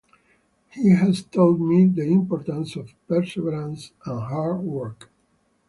He has taught me the importance of perseverance and hard work.